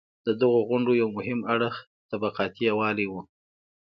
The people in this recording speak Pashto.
د دغو غونډو یو مهم اړخ طبقاتي یووالی و.